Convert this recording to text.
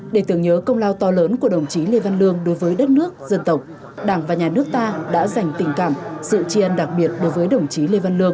để tưởng nhớ công lao to lớn của đồng chí lê văn lương đối với đất nước dân tộc đảng và nhà nước ta đã dành tình cảm sự tri ân đặc biệt đối với đồng chí lê văn lương